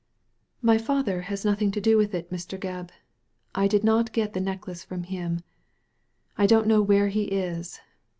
" My father has nothing to do with it, Mr. Gebb. I did not get the necklace from him. I don't know where he is.